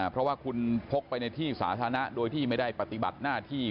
เพราะว่าคุณพกไปในที่สาธารณะโดยที่ไม่ได้ปฏิบัติหน้าที่